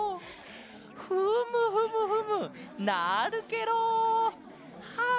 フムフムフムなるケロ！はあ